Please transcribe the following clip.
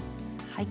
はい。